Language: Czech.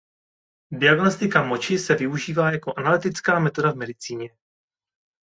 Diagnostika moči se využívá jako analytická metoda v medicíně.